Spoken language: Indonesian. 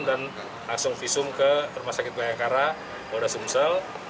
dan langsung visum ke rumah sakit bayangkara boda sumsel